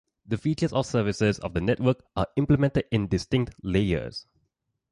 The features or services of the network are implemented in distinct "layers".